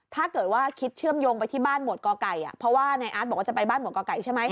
ถ้าเกิดว่าคิดเชื่อมโยงไปที่บ้านหมวดก่อไก่เพราะว่านายอาร์ตบอกว่าจะไปบ้านหวดก่อไก่ใช่ไหม